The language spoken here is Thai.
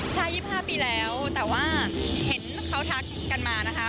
ใช่๒๕ปีแล้วแต่ว่าเห็นเขาทักกันมานะคะ